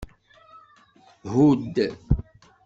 Hudd.